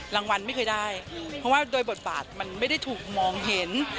รางวัลไม่เคยได้เพราะว่าโดยบทบาทมันไม่ได้ถูกมองเห็น